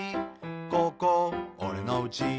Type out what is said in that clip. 「ここ、おれのうち」